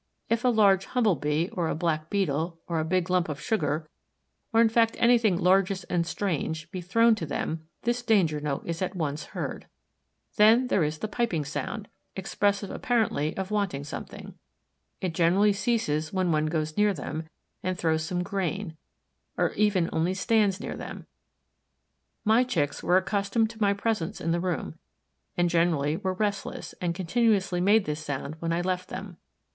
If a large Humble bee, or a black Beetle, or a big lump of sugar, or in fact anything largish and strange, be thrown to them this danger note is at once heard. Then there is the piping sound, expressive apparently of wanting something. It generally ceases when one goes near them and throws some grain, or even only stands near them. My Chicks were accustomed to my presence in the room, and generally were restless, and continuously made this sound when I left them.